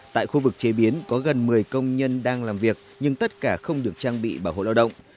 tại khu vực chế biến có gần một mươi công nhân đang làm việc nhưng tất cả không được trang bị bảo hộ lao động